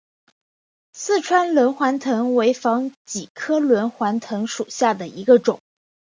四川轮环藤为防己科轮环藤属下的一个种。